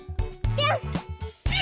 ぴょん！